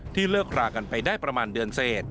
เลิกรากันไปได้ประมาณเดือนเศษ